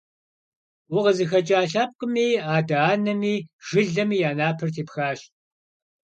УкъызыхэкӀа лъэпкъыми, адэ анэми, жылэми я напэр тепхащ.